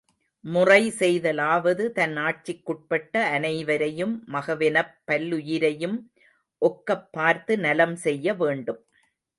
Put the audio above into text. முறை செய்தலாவது தன் ஆட்சிக்குட்பட்ட அனைவரையும், மகவெனப் பல்லுயிரையும் ஒக்கப் பார்த்து நலம் செய்ய வேண்டும்.